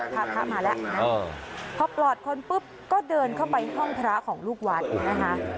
เพราะปลอดคนปุ๊บก็เดินเข้าไปท่องพระของลูกวาสนะคะ